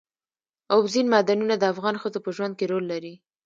اوبزین معدنونه د افغان ښځو په ژوند کې رول لري.